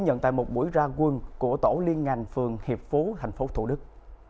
nhận tại một buổi ra quân của tổ liên ngành phường hiệp phú thành phố thủ đức